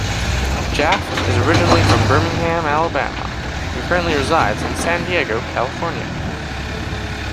Jaffe is originally from Birmingham, Alabama and currently resides in San Diego, California.